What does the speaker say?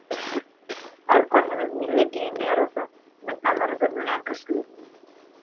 Һәр ҡайһыбыҙ милли кейемде ярата, беҙ тамырыбыз менән көслө.